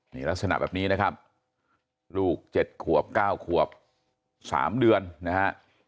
นี่ลักษณะแบบนี้นะครับลูกเจ็ดขวบเก้าขวบสามเดือนนะฮะ